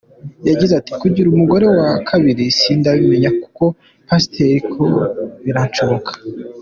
Yagize ati “Kugira umugore wa kabiri sindabimenya ku ba pasiteriariko biranashoboka.